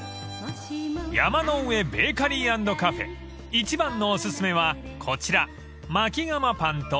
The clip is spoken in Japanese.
［一番のお薦めはこちら］